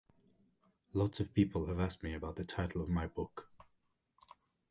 Lots of people have asked me about the title of my book.